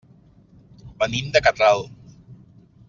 Venim de Catral.